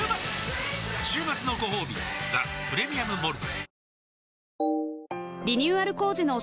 週末のごほうび「ザ・プレミアム・モルツ」